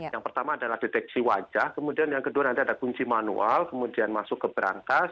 yang pertama adalah deteksi wajah kemudian yang kedua nanti ada kunci manual kemudian masuk ke berangkas